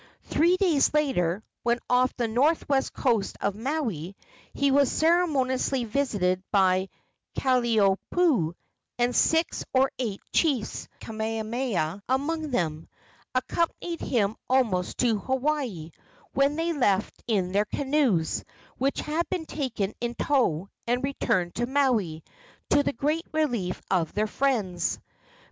Three days later, when off the northwest coast of Maui, he was ceremoniously visited by Kalaniopuu, and six or eight chiefs, Kamehameha among them, accompanied him almost to Hawaii, when they left in their canoes, which had been taken in tow, and returned to Maui, to the great relief of their friends.